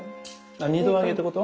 あ２度揚げってこと？